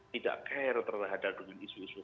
tidak care terhadap dengan isu isu